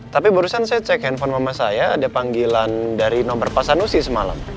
tapi barusan saya cek handphone mama saya ada panggilan dari nomor pak sanusi semalam